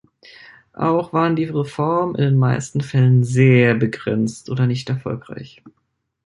Auch waren die Reformen in den meisten Fällen sehr begrenzt oder nicht erfolgreich.